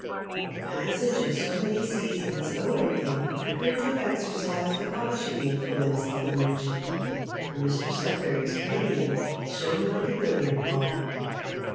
The passage of so many seasons over him appeared to have exercised a polishing influence on the merchant, for Mr Sudberry's cranium shone like a billiard ball.